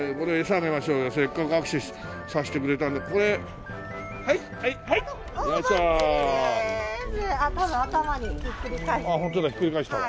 あっホントだひっくり返したわ。